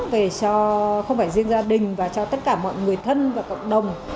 về cho không phải riêng gia đình và cho tất cả mọi người thân và cộng đồng